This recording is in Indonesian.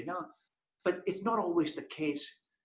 tapi itu tidak selalu adalah hal